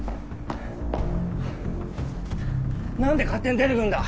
なんで勝手に出ていくんだ！